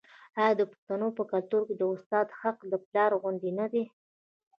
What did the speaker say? آیا د پښتنو په کلتور کې د استاد حق د پلار غوندې نه دی؟